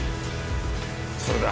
それだ。